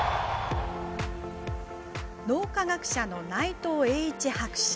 脳科学者の内藤栄一博士。